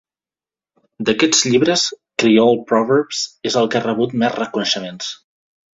D'aquests llibres, "Creole Proverbs" és el que ha rebut més reconeixements.